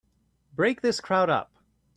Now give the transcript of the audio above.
Break this crowd up!